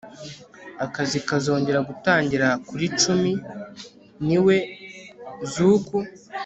Akazi kazongera gutangira kuri cumi niwe zuku